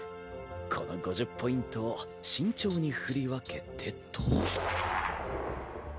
この５０ポイントを慎重に振り分けてと。